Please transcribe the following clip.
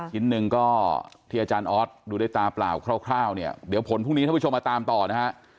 ชิ้นหนึ่งก็ที่อาจารย์ออสดูด้วยตาเปล่าคร่าวเนี่ยเดี๋ยวผลพรุ่งนี้ท่านผู้ชมมาตามต่อนะฮะ